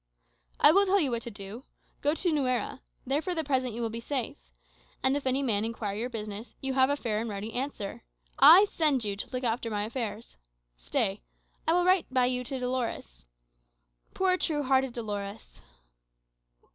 "I will tell you what to do. Go to Nuera. There for the present you will be safe. And if any man inquire your business, you have a fair and ready answer. I send you to look after my affairs. Stay; I will write by you to Dolores. Poor, true hearted Dolores!"